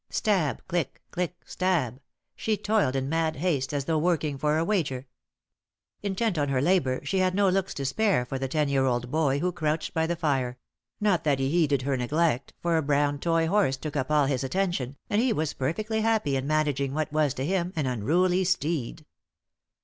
Stab, click, click, stab, she toiled in mad haste as though working for a wager. Intent on her labour, she had no looks to spare for the ten year old boy who crouched by the fire; not that he heeded her neglect, for a brown toy horse took up all his attention, and he was perfectly happy in managing what was, to him, an unruly steed.